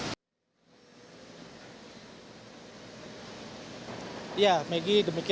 di daerah panjang ini sudah ada dua orang yang sudah menerjunkan air